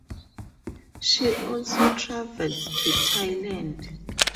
She also travelled to Thailand.